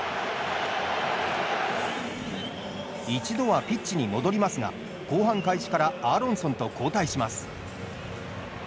一度はピッチに戻りますが後半開始からアーロンソンと交代します。